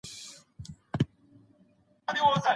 هغه په ګڼ ځای کي د ږغ سره ډوډۍ راوړه.